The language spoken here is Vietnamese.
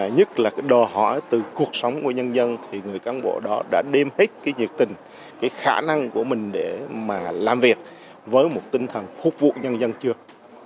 nhất là cái đòi hỏi từ cuộc sống của nhân dân thì người cán bộ đó đã đem hết cái nhiệt tình cái khả năng của mình để mà làm việc với một tinh thần phục vụ nhân dân trước